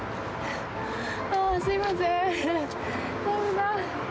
あー、すみません。